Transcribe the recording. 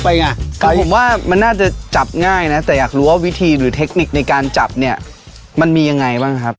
แต่ผมว่ามันน่าจะจับง่ายนะแต่อยากรู้ว่าวิธีหรือเทคนิคในการจับเนี่ยมันมียังไงบ้างครับ